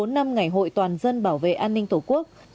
một mươi bốn năm ngày hội toàn dân bảo vệ an ninh tổ quốc